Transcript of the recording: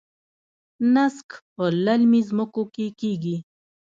نسک په للمي ځمکو کې کیږي.